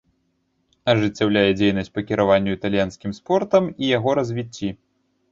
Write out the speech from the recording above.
Ажыццяўляе дзейнасць па кіраванню італьянскім спортам і яго развіцці.